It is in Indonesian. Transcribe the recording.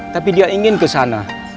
tapi dia ingin ke sana